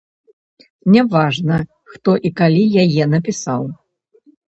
Не важна, хто і калі яе напісаў.